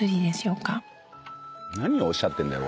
何をおっしゃってんだよ